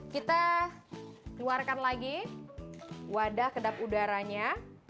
kita keluarkan lagi wadah kedap udaranya